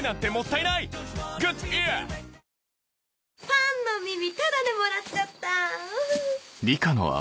パンの耳タダでもらっちゃった！